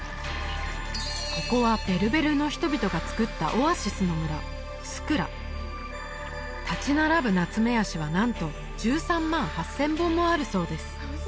ここはベルベルの人々がつくった立ち並ぶナツメヤシはなんと１３万８０００本もあるそうです